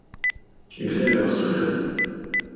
Где ме оставља?